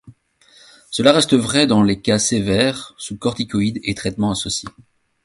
Cela reste vrai dans les cas sévères, sous corticoïdes et traitements associés.